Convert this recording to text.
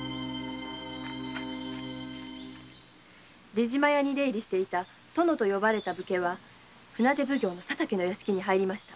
出島屋に出入りしていた「殿」と呼ばれた武家は船手奉行・佐竹の屋敷に入りました。